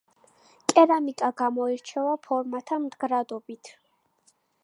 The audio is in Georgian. კერამიკა გამოირჩევა ფორმათა მდგრადობით.